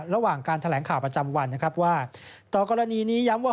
ระหว่างการแถลงข่าวประจำวันนะครับว่าต่อกรณีนี้ย้ำว่า